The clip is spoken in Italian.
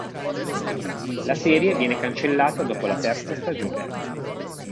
La serie viene cancellata dopo la terza stagione.